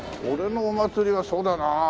俺のお祭りはそうだな。